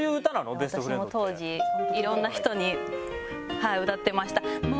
私も当時いろんな人に歌ってました。